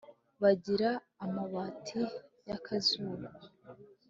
bagira amabati ya zahabu